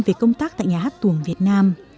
về công tác tại nhà hát tuồng việt nam